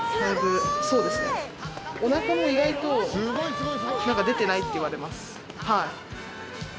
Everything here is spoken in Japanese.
おなかも意外と出てないって言われます。